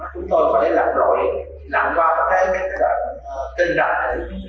chúng tôi phải lặng lội lặng qua các cái kênh rạp để chúng ta lấy được cái căn hộp đó